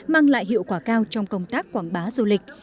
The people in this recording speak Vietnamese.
mang lại hiệu quả cao trong công tác quảng bá du lịch